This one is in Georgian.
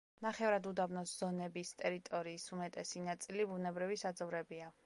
ნახევრად უდაბნოს ზონების ტერიტორიის უმეტესი ნაწილი ბუნებრივი საძოვრებია.